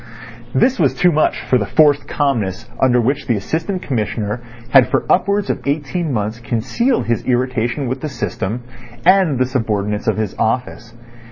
This was too much for the forced calmness under which the Assistant Commissioner had for upwards of eighteen months concealed his irritation with the system and the subordinates of his office.